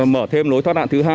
mở thêm lối thoát đạn thứ hai